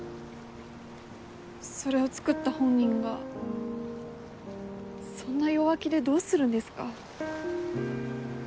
それを作った本人がそんな弱気でどうするんですか？